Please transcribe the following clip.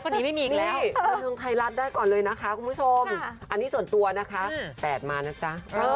แล้วบันเทิงไทยรัฐได้ก่อนเลยนะคะคุณผู้ชมอันนี้ส่วนตัวนะคะ๘มานะจ๊ะ